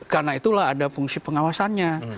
karena itulah ada fungsi pengawasannya